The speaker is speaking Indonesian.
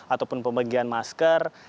ataupun pembagian masker